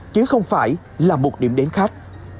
chứ không phải là một điểm đến khác